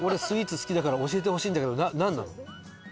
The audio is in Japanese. スイーツ好きだから教えてほしいんだけどなんなの？